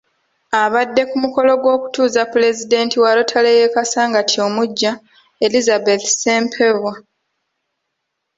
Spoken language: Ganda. Abadde ku mukolo gw'okutuuza pulezidenti wa Rotary y'e Kasangati omuggya, Elizabeth Ssempebwa.